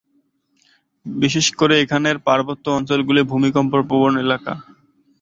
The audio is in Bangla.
বিশেষ করে এখানের পার্বত্য অঞ্চলগুলি ভূমিকম্প-প্রবণ এলাকা।